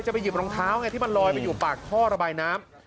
ไปหยิบรองเท้าไงที่มันลอยไปอยู่ปากท่อระบายน้ำ